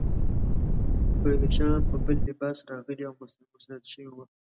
پایلوچان په بل لباس راغلي او مسلط شوي وه.